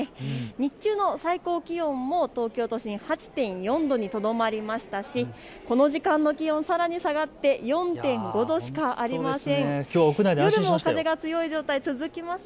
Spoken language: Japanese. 日中の最高気温も東京都心８．４度にとどまりましたし、この時間の気温、さらに下がって４．５度しかありません。